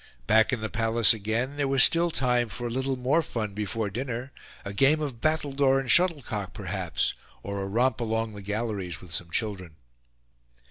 Back in the Palace again, there was still time for a little more fun before dinner a game of battledore and shuttlecock perhaps, or a romp along the galleries with some children.